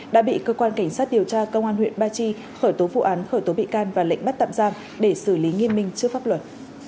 đã bị cơ quan cảnh sát điều tra công an huyện ba chi khởi tố vụ án khởi tố bị can và lệnh bắt tạm giam để xử lý nghiêm minh trước pháp luật